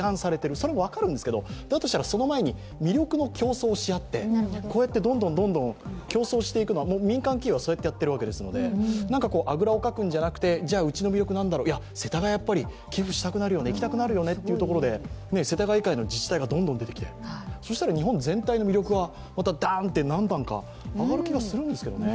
それも分かるんですが、だとしたらその前に魅力の競争をしあって、こうやってどんどんどんどん競争して民間企業はそうやってやっているわけですのであぐらをかくんじゃなくてじゃ、うちの魅力は何だろう、世田谷、寄付したくなるよね、行きたくなるよねっていうところで世田谷以外の自治体がどんどん出てきてそうしたら日本全体の魅力はまた何段か上がる気がするんですけど。